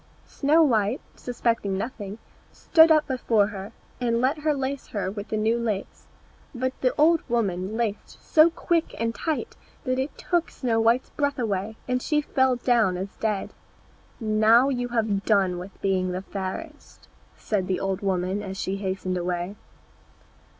Snow white, suspecting nothing, stood up before her, and let her lace her with the new lace; but the old woman laced so quick and tight that it took Snow white's breath away, and she fell down as dead. "Now you have done with being the fairest," said the old woman as she hastened away.